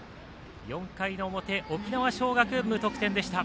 ４回の表、沖縄尚学無得点でした。